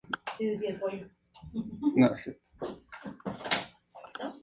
Este raión tiene salida al Mar Negro por sus partes norte, oeste y suroeste.